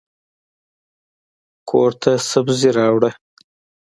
کورته سبزي راوړه.